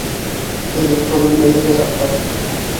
Һеҙ йоҡо бүлмәһендә саҡта!